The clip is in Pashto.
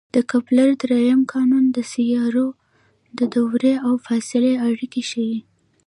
د کپلر درېیم قانون د سیارو د دورې او فاصلې اړیکې ښيي.